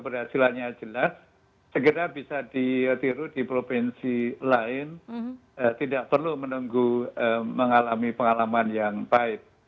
berhasilannya jelas segera bisa ditiru di provinsi lain tidak perlu menunggu mengalami pengalaman yang baik